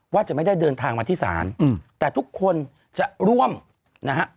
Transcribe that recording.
ว่าจะไม่ได้เดินทางมาที่ศาลแต่ทุกคนจะร่วมนะฮะ